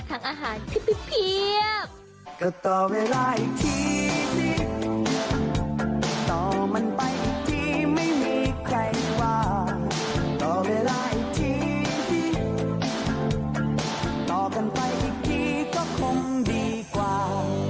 ต่อเวลาอีกทีต่อกันไปอีกทีก็คงดีกว่า